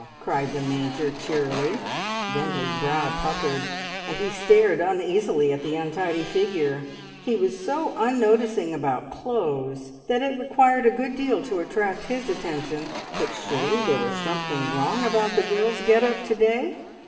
cried the Major cheerily; then his brow puckered, and he stared uneasily at the untidy figure. He was so unnoticing about clothes that it required a good deal to attract his attention, but surely there was something wrong about the girl's get up to day?